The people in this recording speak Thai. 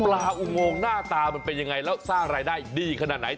อุโมงหน้าตามันเป็นยังไงแล้วสร้างรายได้ดีขนาดไหน